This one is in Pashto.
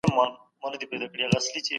په دغي کیسې کي بدلون راغلی دی.